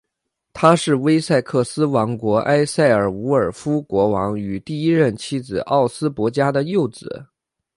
他是威塞克斯王国埃塞尔伍尔夫国王与第一任妻子奥斯博嘉的幼子。